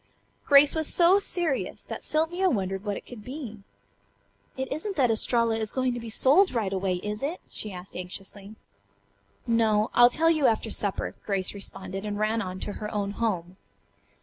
Grace was so serious that Sylvia wondered what it could be. "It isn't that Estralla is going to be sold right away, is it?" she asked anxiously. "No. I'll tell you after supper," Grace responded and ran on to her own home.